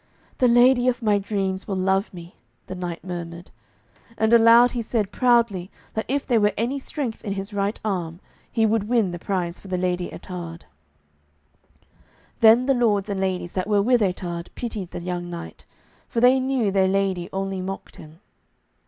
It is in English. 'The lady of my dreams will love me,' the knight murmured. And aloud he said proudly that if there were any strength in his right arm, he would win the prize for the Lady Ettarde. Then the lords and ladies that were with Ettarde pitied the young knight, for they knew their lady only mocked him.